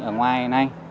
ở ngoài này